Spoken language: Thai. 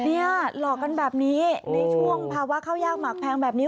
หลอกกันแบบนี้ในช่วงภาวะข้าวยากหมากแพงแบบนี้